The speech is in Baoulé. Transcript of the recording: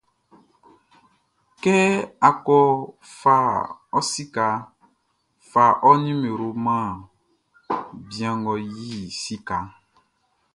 Kɛ á kɔ́ fa ɔ sikaʼn, fa ɔ nimeroʼn man bian ngʼɔ yi sikaʼn.